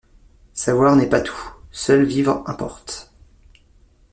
Savoir n'est pas tout; seul vivre importe.